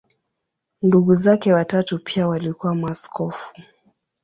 Ndugu zake watatu pia walikuwa maaskofu.